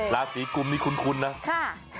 ราศีกุมนี่คุ้นนะ